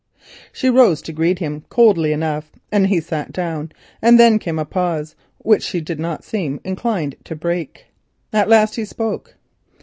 She rose to greet him coldly enough, and he sat down, and then came a pause which she did not seem inclined to break. At last he spoke.